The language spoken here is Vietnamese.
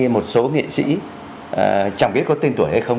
một số nghệ sĩ chẳng biết có tên tuổi hay không